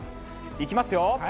いきますよ！